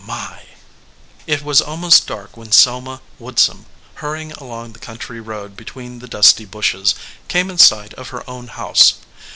"My!" It was almost dark when Selma Woodsum, hur rying along the country road between the dusty bushes, came in sight of her own house.